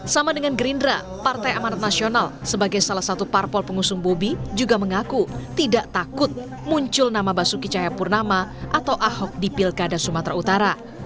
sama dengan gerindra partai amanat nasional sebagai salah satu parpol pengusung bobi juga mengaku tidak takut muncul nama basuki cahayapurnama atau ahok di pilkada sumatera utara